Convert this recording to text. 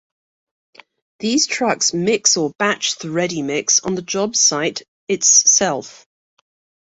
These trucks mix or batch the ready mix on the job site it's self.